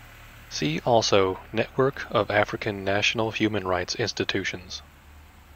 See also Network of African National Human Rights Institutions.